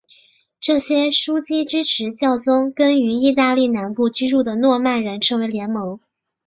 这些枢机支持教宗跟于意大利南部居住的诺曼人成为联盟。